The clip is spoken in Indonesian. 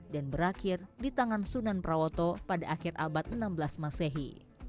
dan berakhir di tangan sunan prawoto pada akhir abad enam belas masehi